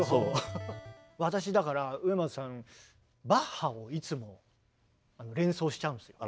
私だから植松さんバッハをいつも連想しちゃうんですよ。